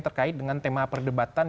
terkait dengan tema perdebatan